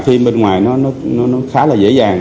thêm bên ngoài nó khá là dễ dàng